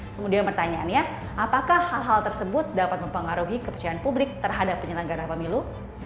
kemudian pertanyaannya apakah hal hal tersebut dapat mempengaruhi kepercayaan publik terhadap penyelenggara pemilu